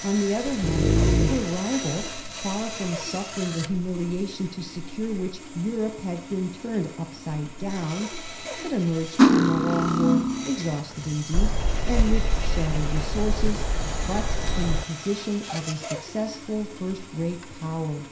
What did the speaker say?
On the other hand, her rival, far from suffering the humiliation, to secure which Europe had been turned upside down, had emerged from the long war, exhausted indeed and with shattered resources, but in the position of a successful first rate Power.